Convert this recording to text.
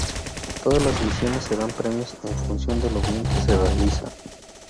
Todas las misiones dan premios en función de lo bien que se realiza.